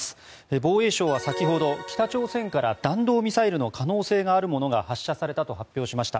防衛省は先ほど北朝鮮から弾道ミサイルの可能性があるものが発射されたと発表しました。